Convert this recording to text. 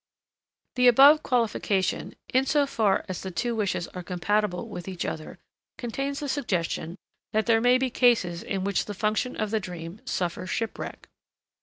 The above qualification in so far as the two wishes are compatible with each other contains a suggestion that there may be cases in which the function of the dream suffers shipwreck.